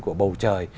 của bầu trời